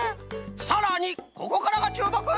さらにここからがちゅうもく！